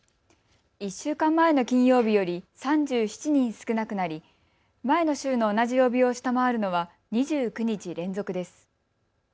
１週間前の金曜日より３７人少なくなり前の週の同じ曜日を下回るのは２９日連続です。